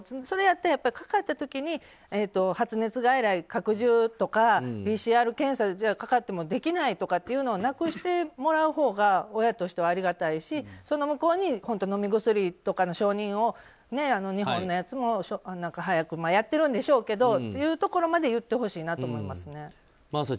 それやったら、かかった時に発熱外来拡充とかＰＣＲ検査かかってもできないとかいうのをなくしてもらうほうが親としてはありがたいしその向こうに本当は飲み薬とかの承認を日本のやつも早くやってるんでしょうけどそういうところまで言ってほしいなと思います。